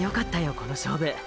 この勝負。